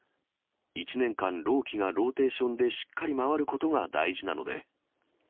１年間、朗希がローテーションでしっかり回ることが大事なので。